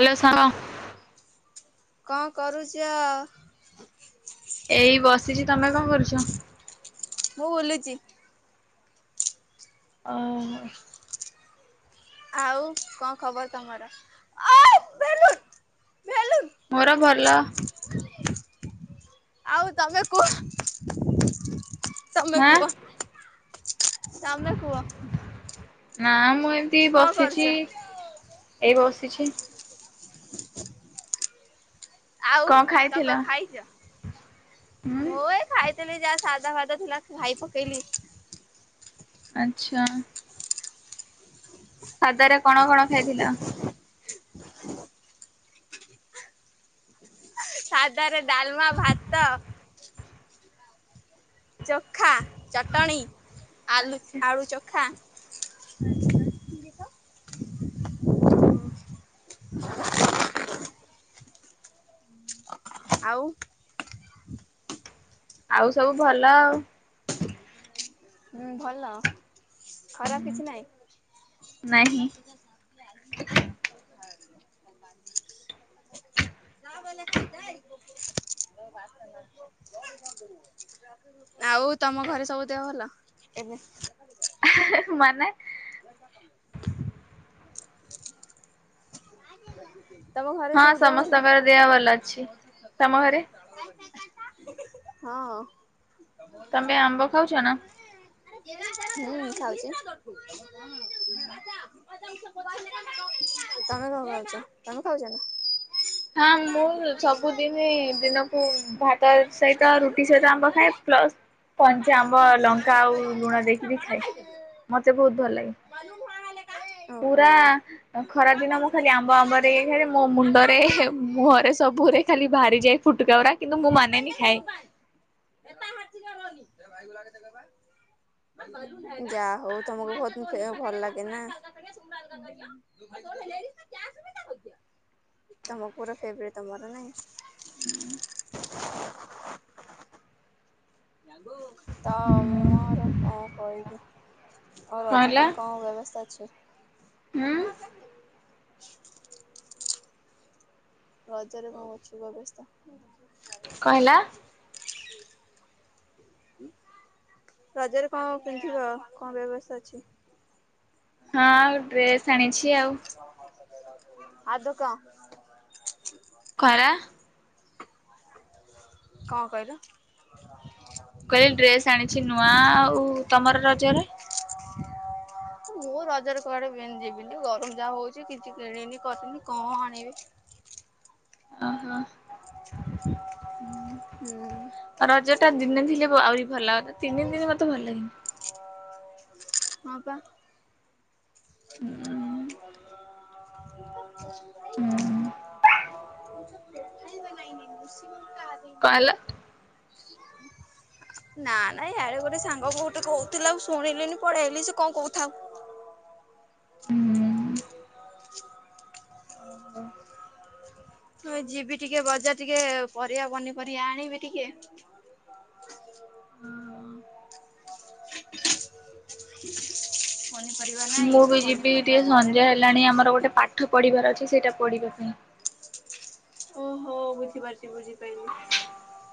Hello ସାଙ୍ଗ। କଣ କରୁଛ? ଏଇ ବସିଛି। ତମେ କଣ କରୁଛ? ମୁଁ ବୁଲୁଛି। ଓହୋ। ଆଉ କଣ ଖବର ତମର? ଆ ବେଲୁନ ବେଲୁନ। ମୋର ଭଲ ଆଉ ତମେ କୁହ। ତମେ ହାଁ କୁହ ତମେ କୁହ। ନା ମୁଁ ଏମିତି କଣ କରୁଛ? ବସିଛି ଏଇ ବସିଛି। ଆଉ କଣ ତମେ ଖାଇଥିଲ? କଣ ଖାଇଛ? ହୁଁ ମୁଁ ଏ ଖାଇ ଖାଇଥିଲି ଯାହା ସାଧା ଫାଦା ଥିଲା ଖାଇ ପକେଇଲି। ଆଚ୍ଛା। ସାଦା ରେ କଣ କଣ ଖାଇଥିଲ? ସାଧାରେ ଡାଲମା ଭାତ ଚୋଖା ଚଟଣି ଆଲୁ ଆଚ୍ଛା ଆଳୁ ଚୋଖା। ଆଚ୍ଛା। ଓହୋ। ଆଉ। ଆଉ ସବୁ ଭଲ ଆଉ। ହୁଁ ଭଲ। ଖରାପ କିଛି ନାହିଁ। ନାହିଁ [unintelligible] [unintelligible] ଆଉ ତମ ଘରେ ସବୁ ଦେହ ଭଲ ଏବେ? ହେ ମାନେ? [unintelligible] [unintelligible] ତମ ଘରେ ହଁ ସବୁ ଦେହ ଭଲ? ସମସ୍ତଙ୍କର ଦେହ ଭଲ ଅଛି। ତମ ଘରେ ହଁ। ତମେ ଆମ୍ବ ଖାଉଛ ନା? ହୁଁ ଖାଉଛି। ତମେ କଣ ଖାଉଛ ତମେ ଖାଉଛ ନା। ହଁ ମୁଁ ସବୁଦିନ ଦିନକୁ। ଭାତ ସହିତ ରୁଟି ସହିତ ଆମ୍ବ ଖାଏ ପ୍ଲସ। କଞ୍ଚା ଆମ୍ବ ଲଙ୍କା ଆଉ ଲୁଣ ଦେଇକି ବି ଖାଏ ମତେ ବହୁତ ଭଲ ଲାଗେ। [unintelligible] ପୁରା ଖରା ଦିନ ମୁଁ ଖାଲି ଆମ୍ବ ଆମ୍ବରେ ଖାଲି ମୋ ମୁଣ୍ଡରେ ମୁହଁରେ ସ ସବୁରେ ଖାଲି ବାହାରିଯାଏ ଫୁଟକାଗୁରା କିନ୍ତୁ ମୁଁ ମାନେନି ଖାଏ। [unintelligible] ଯା ହଉ ତମକୁ ବହୁତ ଖାଇବାକୁ ଭଲ ଲାଗେ ନା। ତମ ପୁରା ଫେବ୍ରେଟ ତମର ନାଇଁ। ହୁଁ। [unintelligible] [unintelligible] ତମର କଁ କହିବି ଆଉ କଣ ରଜ ହେଲା ପାଇଁ କଁ ବ୍ୟବସ୍ଥା ଅଛି। ହୁଁ। ରଜରେ କଁ ଅଛି ବ୍ୟବସ୍ଥା। କଁ ହେଲା। ରଜରେ କଣ ପିନ୍ଧିବ କଣ ବ୍ୟବସ୍ଥା ଅଛି। ହଁ ଡ୍ରେସ୍ ଆଣିଛି ଆଉ। ଆ ଦୁ କଁ। ଖରା। କଁ କହିଲ? ମୁଁ କହିଲି ଡ୍ରେସ୍ ଆଣିଛି ନୂଆ ଆଉ ତମର ରଜରେ। ମୁଁ ରଜରେ କୁଆଡେ ପି ଯିବିନି ଗରମ ଯାହା ହଉଛି କିଛି କିଣିନି କରିନି କଁ ଆଣିବି। ଅ ହୋ। ହୁଁ। ରଜ ଟା ଦିନେ ଥିଲେ ଭ ଆହୁରି ଭଲ ଲାଗନ୍ତା ତିନି ଦିନି ମତେ ଭଲ ଲାଗେନି। ହଁ ପା। ହୁଁ ହୁଁ [unintelligible] କଁ ହେଲା। ନା ନାଇଁ ୟାଡେ ଗୋଟେ ସାଙ୍ଗ ଗୋଟେ କହୁଥିଲା ମୁ ଶୁଣିଲିନି। ପଳେଇ ଆଇଲି ସେ କଁ କହୁଥାଉ। ଓ ହୋ। ମୁଁ ଏ ଯିବି ଟିକେ ବଜାର ଟିକେ ପରିବା ପନିପରିବା ଆଣିବି ଟିକେ। ପନିପରିବା ନାଇଁ ମୁଁ ବି ଯିବି ଟିକେ ପନିପରିବା ଘରେ। ସଞ୍ଜ ହେଲାଣି ଆମର ଗୋଟେ ପାଠ ପଢିବାର ଅଛି ସେଇଟା ପଢିବା ପାଇଁ। ଓହୋ ବୁଝିପାରୁଛି ବୁଝିପାଇଲି।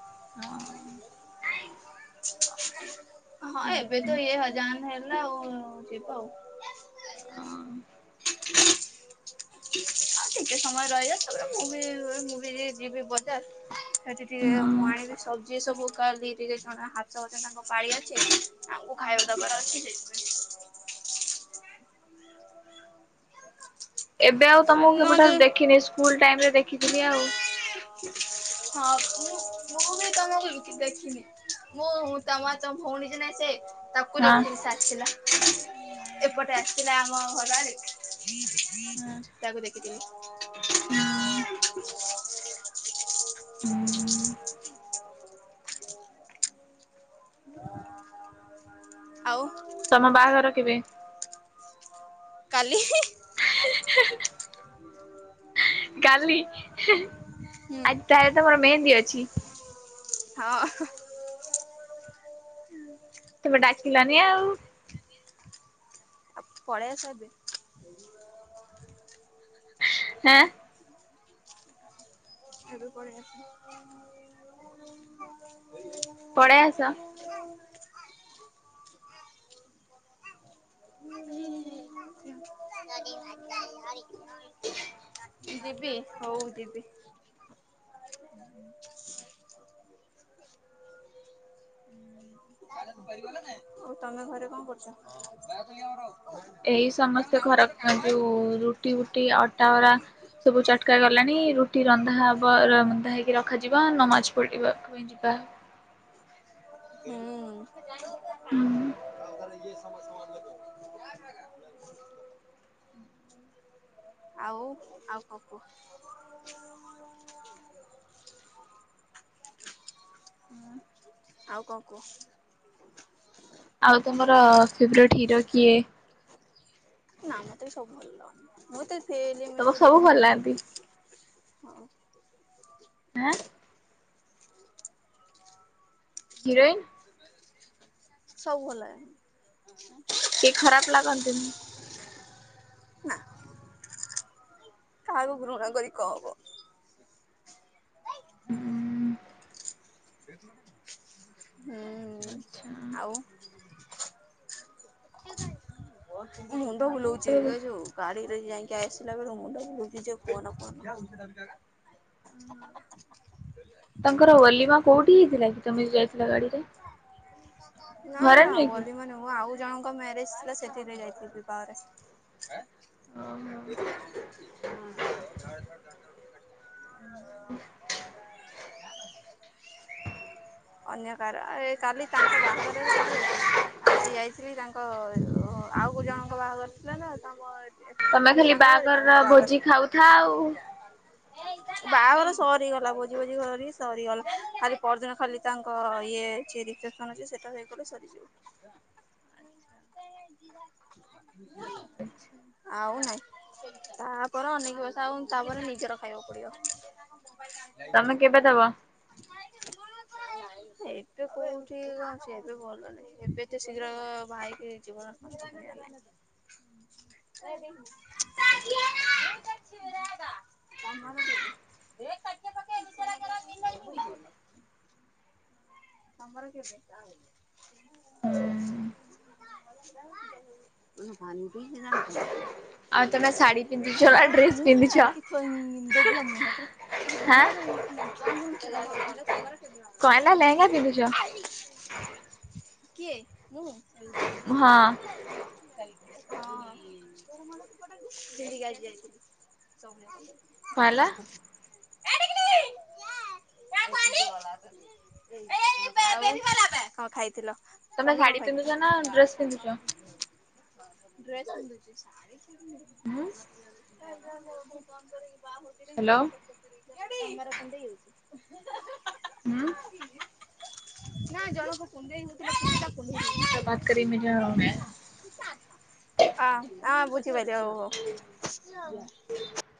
ହଁ। ହଁ ଏବେ ତ ଏ ହଜାନ ହେଲା ଆଉ ଯିବ। ହଁ ଟେକେ ସମୟ ରହିଯା ତାପରେ ମୁଁ ବି ମୁଁ ବି ଯିବି ବଜାର। ସେଠି ଟିକେ ମୁଁ ଆଣିବି ସବଜି ସବୁ କାଲି ଟିକେ ଜଣେ ହାପସ୍ ଅଛନ୍ତି ତାଙ୍କ ପାଳି ଅଛି। ଆମକୁ ଖାଇବା ଦବାର ଅଛି ସେଇଥିପାଇଁ। ଏବେ ଆଉ ତମକୁ ନଦେ କେବେଠାରୁ ଦେଖିନି ସ୍କୁଲ ଟାଇମ ରେ ଦେଖିଥିଲି ଆଉ। ହଁ ମୁଁ ମୁଁ ବି ତମ କୁ ଦେଖିନି। ମୁଁ ତମ ତମ ଭଉଣୀ ସିନା ସେ ତ କୁ ହଁ। ଦେଖୁଥିଲ ସେ ଆସିଲା ଏପଟେ ଆସିଲା ଆମ ଘର ଆଡେ। ତାକୁ ଦେଖିଥିଲି। ହଁ ଓ ହୋ ହୁଁ। ଆଉ। ତମ ବାଆଘର କେବେ। କାଲି ହି। କାଲି ଆଜି ହେ ହୁଁ ଆଜି ତାହେଲେ ତମର ମେହେନ୍ଦୀ ଅଛି। ହଁ। ତମେ ଡାକିଲନି ଆଉ। ପଳେଇ ଆସ ଏବେ। ହାଁ। ଏବେ ପଳେଇ ଆସ। ପଳେଇ ଆସ। ଯିବି ହଉ ଯିବି। ଆଉ ତମେ ଘରେ କଣ କରୁଚ? ଏଇ ସମସ୍ତେ ଘର କା ଯୋଉ ରୁଟି ବୁଟି ଅଟା ଗୋରା। ସବୁ ଚଟକା ଗଲାଣି ରୁଟି ରନ୍ଧା ହବ ରନ୍ଧା ହେଇକି ରଖାଯିବ ନମାଜ ପଡିବ। ପୋଇ ଯିବା। ହୁଁ। ହୁଁ ସମ ସମମାନ ଲ ଆଉ ଆଉ କଁ କୁହ। ଆଉ କଁ କୁହ। ଆଉ ତମର ଫେବରେଟ ହିରୋ କିଏ? ନା ମତେ ସବୁ ଭଲ ମତେ। ହେ ଜିମି ତମକୁ ସବୁ ଭଲ ଦେଖିମା ଲାଗନ୍ତି ହଉ ଆଁ ହିରୋଇନ୍। ସବୁ ଭଲଲାଗେ। କିଏ ଖରାପ ଲାଗନ୍ତିନୀ। ନା କାହାକୁ ଘୃଣା କରି କଁ ହବ। ହୁଁ [inaudible] ହୁଁ ଆଚ୍ଛା ଆଉ। ମୁଣ୍ଡ ହଁ ବୁଲଉଛି ସବୁ ଯେ ଯଉ ଗାଡିରେ ଯାଇଁକି ଆସିଲା ବେଳୁ ମୁଣ୍ଡ ବୁଲଉଛି ଯଉ କୁହନା କୁହନା। ତାଙ୍କର ଓଲିମା କୋଉଠି ହେଇଥିଲା କି ତମେ ଯାଇଥିଲା ଗାଡି ରେ? ନା ନା କି? ଓଲିମା ନୁହୁଁ ମୁଁ ଆଉ ଜଣଙ୍କ ମ୍ୟାରେଜ ଥିଲା ସେଥିରେ ଯାଇଥିଲି ବିବାହରେ। ଓହୋ ହଁ ହ [inaudible] ଅନ୍ୟ କାର କାଲି ତାଙ୍କ ବାହାଘର କାଲି ଯାଇଥିଲି। ଆଜି ଯାଇଥିଲି ତାଙ୍କ ଆଉ ଜଣଙ୍କ ବାହାଘର ଥିଲା ନା ତାଙ୍କ ତମେ ଖାଲି ବନ୍ଧୁବାନ୍ଧବରେ ତାଙ୍କ ବାହାଘରର ଭୋଜି ଖାଉଥା ଆଉ ଏଇ [inaudible] ବାହାଘର ସରିଗଲା ଭୋଜି ଭୋଜି କରି ସରିଗଲା ଖାଲି ପରଦିନ ଖାଲି ତାଙ୍କ ଇଏ ରିସେପସନ ସେଟା ହେଇଗଲେ ସରିଯିବ। [inaudible] ଆଉ ନାଇଁ ତାପରେ ଅନେକି ବସ ଆଉ ତାପରେ ନିଜର ଖାଇବାକୁ ପଡିବ। ମୁବାଇ [inaudible] [unintelligible] ତମେ କେବେ ଦବ? ଏବେ ଭଲ ନାହିଁ ଏବେ ତ ଶୀଘ୍ର ଭାଇକି ଜୀବନ ଆରେ [inaudible] [inaudible] [unintelligible] ତମର କେବେ [unintelligible] [unintelligible] ଆଉ ତମେ ଶାଢୀ ପିନ୍ଧିଛ ନା ଡ୍ରେସ ପିନ୍ଧିଛ [unintelligible] ହାଁ କଣ ହେଲା ଲେହେଙ୍ଗା ପିନ୍ଧିଛ? [unintelligible] କିଏ ହଁ ମୁଁ? ହଁ ସେକ କଣ ହେଲା ଆଜି [unintelligible] [unintelligible] [inaudible] କଣ ଖାଇଥିଲ ତମେ କଣ ଶାଢୀ ଖାଇଥିଲ। ପିନ୍ଧୁଛ ନା ଡ୍ରେସ ପିନ୍ଧୁଛ? ଡ୍ରେସ କନ୍ଧୁଛି [inaudible] ହୁଁ ହ୍ୟାଲୋ [unintelligible] ତମର କୁଣ୍ଡେଇ ହଉଛି। ହଁ। ନାଁ ଜଣକ [unintelligible] ହଁ, ହଁ ବୁଝିପାରିଲି ହଉ, ହୁଁ। ହଉ।